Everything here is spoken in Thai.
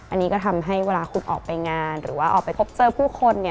อันนี้ก็ทำให้เวลาคุณออกไปงานหรือว่าออกไปพบเจอผู้คน